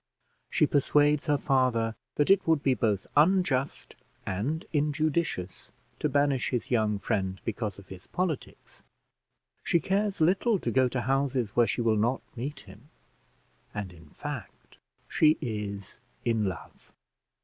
She persuades her father that it would be both unjust and injudicious to banish his young friend because of his politics; she cares little to go to houses where she will not meet him, and, in fact, she is in love.